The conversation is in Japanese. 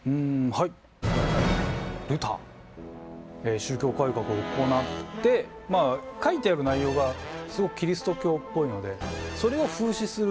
宗教改革を行ってまあ描いてある内容がすごくキリスト教っぽいのでそれを風刺する